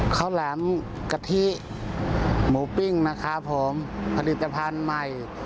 แหลมกะทิหมูปิ้งนะครับผมผลิตภัณฑ์ใหม่